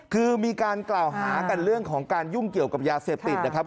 คือมีการกล่าวหากันเรื่องของการยุ่งเกี่ยวกับยาเสพติดนะครับ